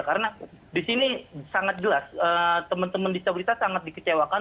karena di sini sangat jelas teman teman disabilitas sangat dikecewakan